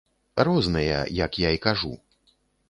Розныя, як я і кажу.